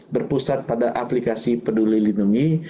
berpusat pada aplikasi peduli lindungi